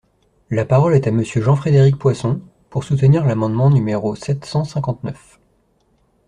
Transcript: La parole est à Monsieur Jean-Frédéric Poisson, pour soutenir l’amendement numéro sept cent cinquante-neuf.